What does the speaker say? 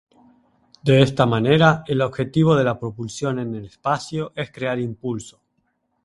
De esta manera, el objetivo de la propulsión en el espacio es crear impulso.